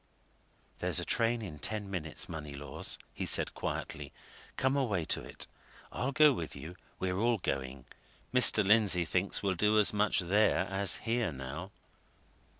"There's a train in ten minutes, Moneylaws," said he quietly. "Come away to it I'll go with you we're all going. Mr. Lindsey thinks we'll do as much there as here, now."